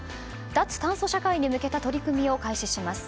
脱炭素社会に向けた取り組みを開始します。